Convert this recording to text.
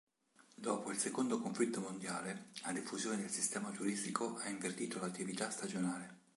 Dopo il secondo conflitto mondiale, la diffusione del sistema turistico ha invertito l'attività stagionale.